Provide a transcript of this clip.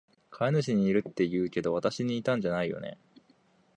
飼い主に似るって言うけど、わたしに似たんじゃないよね？